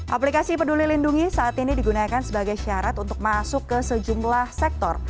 aplikasi peduli lindungi saat ini digunakan sebagai syarat untuk masuk ke sejumlah sektor